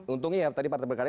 untungnya tadi partai berkarya